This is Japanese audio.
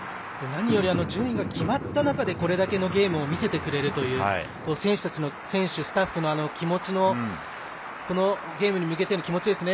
順位が決まった中でこれだけのゲームを見せてくれる選手、スタッフの、このゲームに向けての気持ちですね。